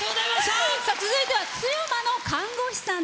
続いては津山の看護師さん。